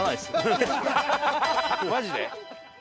マジで？